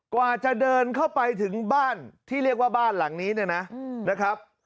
กว่าจะเดินเข้าไปถึงบ้านที่เรียกว่าบ้านหลังนี้เนี่ยนะครับ